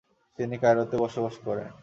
তিনি কায়রোতে বসবাস করেন।